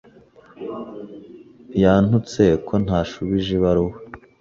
Yantutse ko ntashubije ibaruwa.